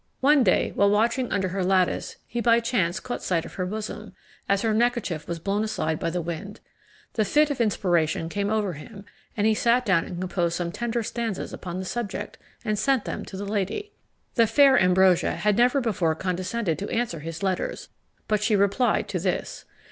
One day, while watching under her lattice, he by chance caught sight of her bosom, as her neckerchief was blown aside by the wind. The fit of inspiration came over him, and he sat down and composed some tender stanzas upon the subject, and sent them to the lady. The fair Ambrosia had never before condescended to answer his letters; but she replied to this.